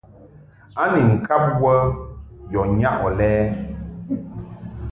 A ni ŋkab wə ya nyaʼ ɔ lɛ ?